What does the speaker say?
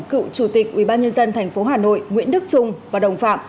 cựu chủ tịch ubnd tp hà nội nguyễn đức trung và đồng phạm